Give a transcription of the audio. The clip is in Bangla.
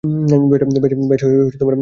বেশ, আমি খোঁজ নিচ্ছি।